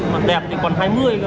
mà đẹp thì còn hai mươi thôi